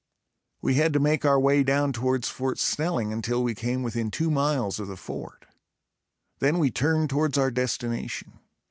We had to make our way down towards Fort Snelling until we came within two miles of the fort. Then we turned towards our destination.